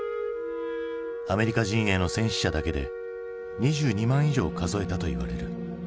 アメリカ陣営の戦死者だけで２２万以上を数えたといわれる。